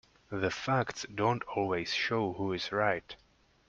The facts don't always show who is right.